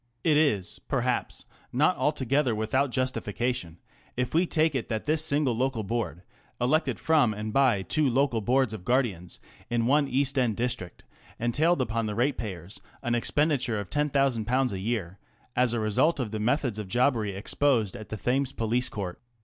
It is, perhaps, not altogether without justification if we take it that this single local board, elected from and by two local Boards of Guardians in one East End district, entailed upon the ratepayers an expenditure of 10,000 a year as a result of the methods of jobbery exposed at the Thames Police Court.